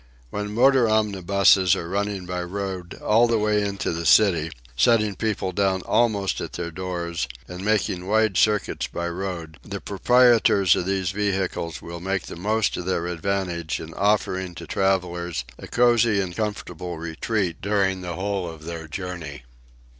When "motor omnibuses" are running by road all the way into the city, setting people down almost at their doors and making wide circuits by road, the proprietors of these vehicles will make the most of their advantages in offering to travellers a cosy and comfortable retreat during the whole of their journey.